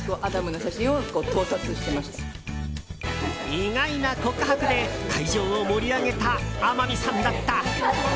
意外な告白で会場を盛り上げた天海さんだった。